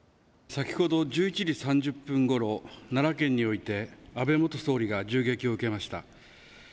先ほど１１時３０分ごろ奈良県において安倍元総理が銃撃を受けました。